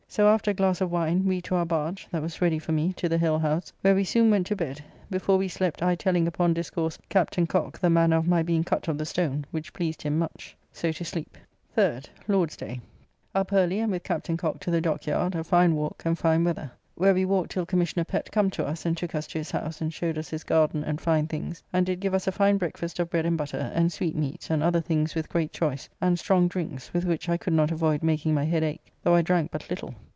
So after a glass of wine, we to our barge, that was ready for me, to the Hill house, where we soon went to bed, before we slept I telling upon discourse Captain Cocke the manner of my being cut of the stone, which pleased him much. So to sleep. 3rd (Lord's day). Up early, and with Captain Cocke to the dock yard, a fine walk, and fine weather. Where we walked till Commissioner Pett come to us, and took us to his house, and showed us his garden and fine things, and did give us a fine breakfast of bread and butter, and sweetmeats and other things with great choice, and strong drinks, with which I could not avoyde making my head ake, though I drank but little.